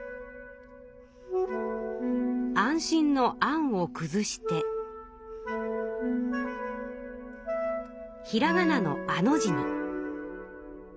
安心の「安」をくずしてひらがなの「あ」の字に。